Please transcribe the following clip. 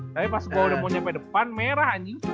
tapi pas gue udah mau nyampe depan merah anjing